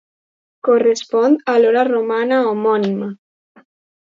Correspon a l'hora romana homònima.